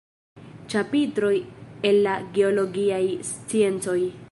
Ĉapitroj el la geologiaj sciencoj".